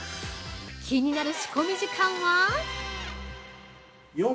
気になる仕込み時間は！？